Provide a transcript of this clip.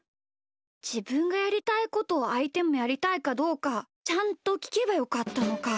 じぶんがやりたいことをあいてもやりたいかどうかちゃんときけばよかったのか。